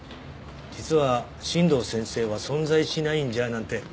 「実は新道先生は存在しないんじゃ？」なんて